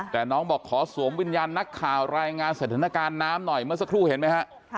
แต่น้องบอกขอสวมวิญญาณนักข่าวรายงานสถานการณ์น้ำหน่อยเมื่อสักครู่เห็นไหมฮะ